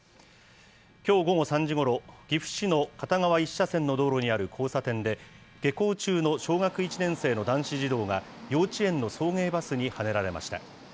きょう午後３時ごろ、岐阜市の片側１車線の道路にある交差点で、下校中の小学１年生の男子児童が、幼稚園の送迎バスにはねられました。